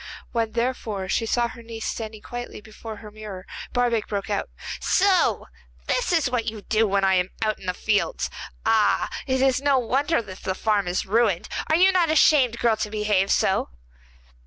When, therefore, she saw her niece standing quietly before her mirror, Barbaik broke out: 'So this is what you do when I am out in the fields! Ah! it is no wonder if the farm is ruined. Are you not ashamed, girl, to behave so?